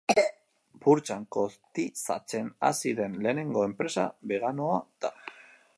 Burtsan kotizatzen hasi den lehenengo enpresa beganoa da.